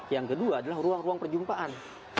yang kedua adalah ruang ruang perjumpaan